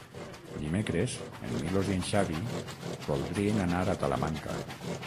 Dimecres en Milos i en Xavi voldrien anar a Talamanca.